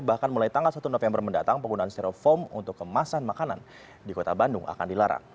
bahkan mulai tanggal satu november mendatang penggunaan steroform untuk kemasan makanan di kota bandung akan dilarang